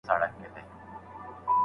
ځیني استادان پخپله هیڅ څېړنه نه کوي.